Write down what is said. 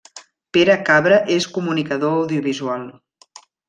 Pere Cabra és comunicador audiovisual.